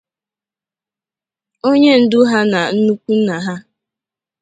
onye ndu ha na nnukwu nna ha.